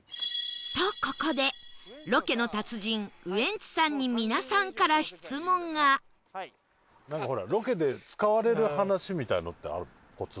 とここでロケの達人ウエンツさんに皆さんから質問がなんかほらロケで使われる話みたいのってあるの？